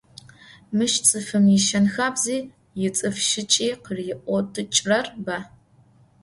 Мыщ цӏыфым ишэн - хабзи, ицӏыф шӏыкӏи къыриӏотыкӏрэр бэ.